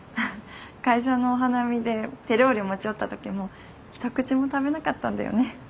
会社のお花見で手料理持ち寄った時も一口も食べなかったんだよね。